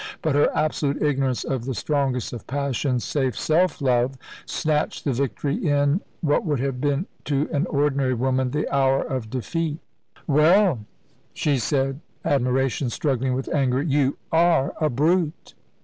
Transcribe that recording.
But her absolute ignorance of the strongest of passions, save self love, snatched the victory in what would have been to an ordinary woman the hour of defeat. "Well," she said, admiration struggling with anger, "you are a brute!"